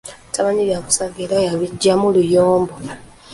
Tamanyi byakusaaga era yabiggyamu luyombo.